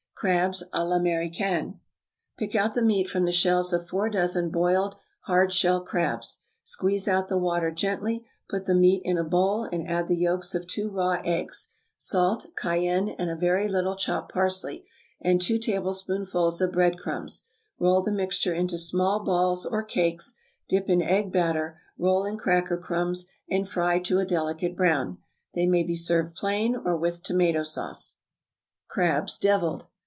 ] =Crabs, à l'Américaine.= Pick out the meat from the shells of four dozen boiled hard shell crabs; squeeze out the water gently; put the meat in a bowl, and add the yolks of two raw eggs, salt, cayenne, and a very little chopped parsley, and two tablespoonfuls of bread crumbs; roll the mixture into small balls or cakes; dip in egg batter, roll in cracker crumbs, and fry to a delicate brown. They may be served plain or with tomato sauce. =Crabs, Deviled.